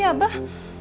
apa sih abah